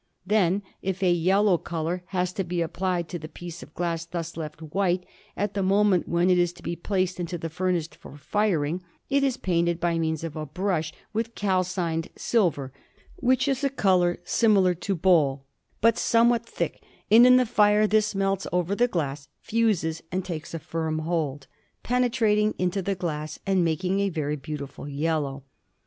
Then, if a yellow colour has to be applied to the piece of glass thus left white, at the moment when it is to be placed into the furnace for firing, it is painted by means of a brush with calcined silver, which is a colour similar to bole, but somewhat thick; and in the fire this melts over the glass, fuses, and takes a firm hold, penetrating into the glass and making a very beautiful yellow.